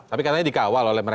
tapi katanya dikawal oleh mereka